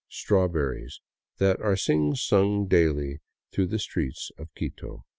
" (strawberries) that are singsung daily through the streets of Quito.